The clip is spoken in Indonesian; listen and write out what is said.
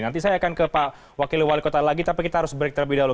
nanti saya akan ke pak wakil wali kota lagi tapi kita harus break terlebih dahulu